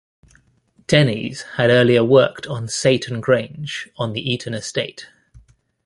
Dennys had earlier worked on Saighton Grange on the Eaton estate.